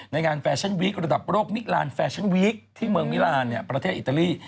งานแฟชั่นวีคระดับโลกมิลานแฟชั่นวีคที่เมืองมิลานประเทศอิตาลี